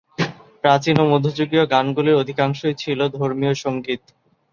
প্রাচীন ও মধ্যযুগীয় গানগুলির অধিকাংশই ছিল ধর্মীয় সংগীত।